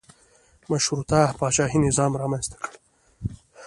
مشروطه پاچاهي نظام رامنځته کړل.